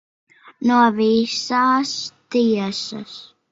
No visas tiesas.